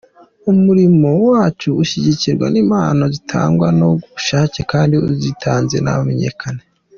Umurimo wacu ushyigikirwa n’impano zitangwa ku bushake, kandi uzitanze ntamenyekane.